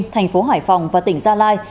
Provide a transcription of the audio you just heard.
tp hcm và tỉnh gia lai